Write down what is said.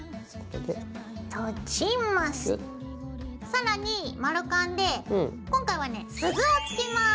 さらに丸カンで今回はね鈴を付けます。